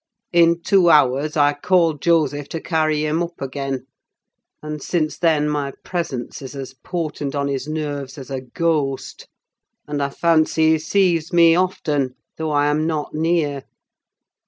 In two hours, I called Joseph to carry him up again; and since then my presence is as potent on his nerves as a ghost; and I fancy he sees me often, though I am not near.